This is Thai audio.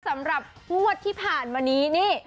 สำหรับงวดที่ผ่านมานี้นี่